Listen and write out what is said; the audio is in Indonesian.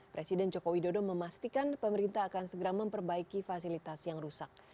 presiden joko widodo memastikan pemerintah akan segera memperbaiki fasilitas yang rusak